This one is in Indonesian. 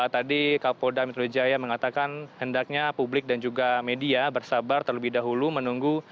tadi kapolda metro jaya mengatakan hendaknya publik dan juga media bersabar terlebih dahulu menunggu